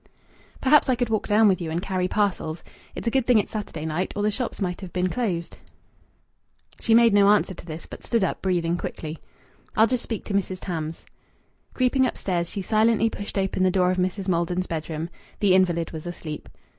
"Perhaps I could walk down with you and carry parcels. It's a good thing it's Saturday night, or the shops might have been closed." She made no answer to this, but stood up, breathing quickly. "I'll just speak to Mrs. Tams." Creeping upstairs, she silently pushed open the door of Mrs. Maldon's bedroom. The invalid was asleep.